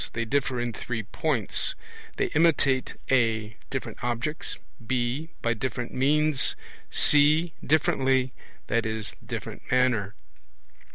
They differ in three points; they imitate (a) different objects, (b) by different means, (c) differently (i.e. different manner).